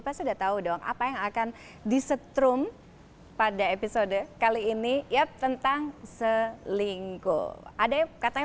pasti udah tahu dong apa yang akan disetrum pada episode kali ini ya tentang selingkuh ada katanya